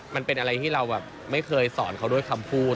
มันเป็นอะไรที่เราแบบไม่เคยสอนเขาด้วยคำพูด